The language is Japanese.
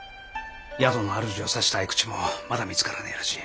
宿の主を刺した匕首もまだ見つからねえらしい。